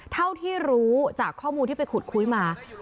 เท่าที่รู้จากข้อมูลที่ไปขุดคุยมา